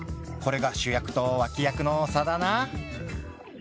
これが主役と脇役の差だな。